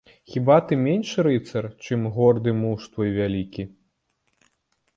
Хіба ты менш рыцар, чым горды муж твой вялікі?